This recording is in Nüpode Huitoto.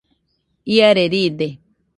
Iare riide